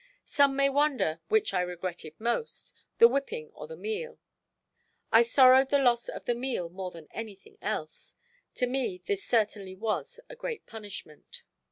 Some may wonder which I regretted most, the whipping or the meal. I sorrowed the loss of the meal more than anything else. To me this certainly was a great punishment.